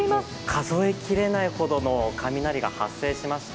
数えきれないほどの雷が発生しました。